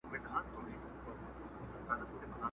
که یې سیلیو چڼچڼۍ وهلي!!